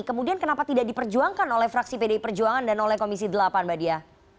kemudian kenapa tidak diperjuangkan oleh fraksi pdi perjuangan dan oleh komisi delapan mbak dia